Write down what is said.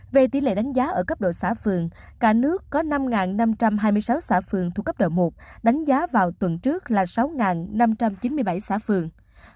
về tỷ lệ đánh giá ở cấp độ xã phường cả nước có năm năm trăm hai mươi sáu xã phường thuộc cấp độ một đánh giá vào tuần trước là sáu năm trăm chín mươi bảy xã phường